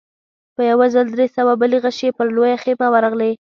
په يوه ځل درې سوه بلې غشې پر لويه خيمه ورغلې.